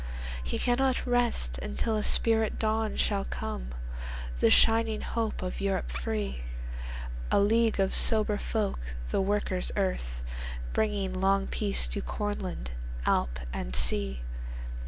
He cannot rest until a spirit dawnShall come;—the shining hope of Europe free:A league of sober folk, the Workers' Earth, Bringing long peace to Cornland, Alp and Sea.